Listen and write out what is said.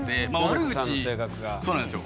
そうなんですよ。